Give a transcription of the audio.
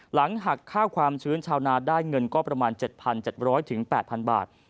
หลังหักค่าความชื้นชาวนาได้เงินก็ประมาณ๗๗๐๐๘๐๐บาท